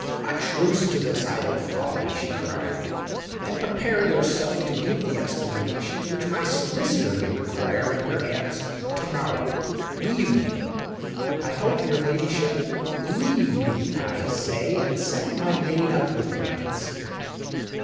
"A truce to this idle folly!" she cried; "and prepare yourself to give the explanations which my solicitor may require at your hands to morrow. Leave me." "I hope your ladyship——" "Leave me, I say; and send my maid up with lights."